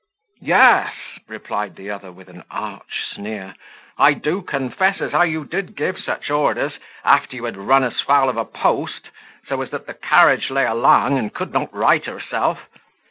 "Yes," replied the other, with an arch sneer, "I do confess as how you did give such orders, after you had run us foul of a post, so as that the carriage lay along, and could not right herself."